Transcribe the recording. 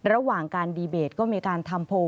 ระหว่างการดีเบตก็มีการทำโพล